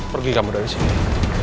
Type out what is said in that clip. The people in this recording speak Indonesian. pergi kamu dari sini